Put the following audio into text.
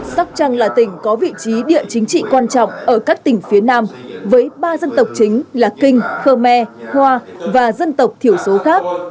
sóc trăng là tỉnh có vị trí địa chính trị quan trọng ở các tỉnh phía nam với ba dân tộc chính là kinh khơ me hoa và dân tộc thiểu số khác